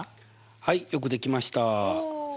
はいよくできました。